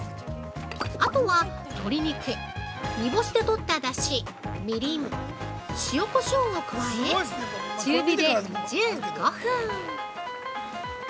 あとは鶏肉、煮干しで取っただしみりん、塩こしょうを加え中火で１５分。